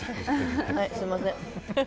はい、すいません。